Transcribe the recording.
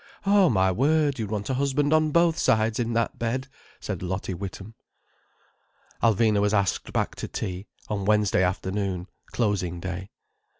"Oh, my word, you'd want a husband on both sides, in that bed," said Lottie Witham. Alvina was asked back to tea—on Wednesday afternoon, closing day.